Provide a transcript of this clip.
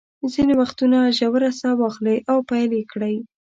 ځینې وختونه ژوره ساه واخلئ او پیل یې کړئ.